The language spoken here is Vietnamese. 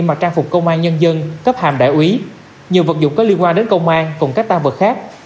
mà trang phục công an nhân dân cấp hàm đại úy nhiều vật dụng có liên quan đến công an cùng các tan vật khác